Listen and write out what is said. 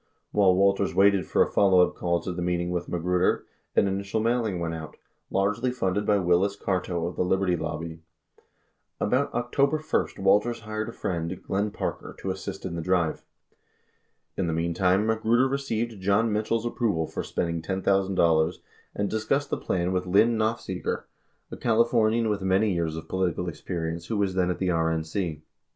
71 While Walters waited for a followup call to the meeting with Ma gruder, an initial mailing went out, largely funded by Willis Carto of the Liberty Lobby. 72 About October 1 Walters hired a friend, Glenn Parker, to assist in the drive. In the meantime, Magruder received John Mitchell's approval for spending $10,000 73 and discussed the plan with Lyn Nofziger, 74 a Californian with many years of political experience who was then at the RNC.